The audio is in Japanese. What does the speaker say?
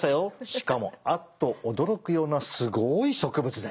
しかもあっと驚くようなすごい植物で！